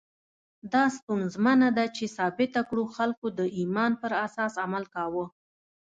دا ستونزمنه ده چې ثابته کړو خلکو د ایمان پر اساس عمل کاوه.